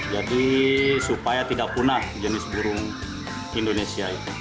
jadi supaya tidak punah jenis burung indonesia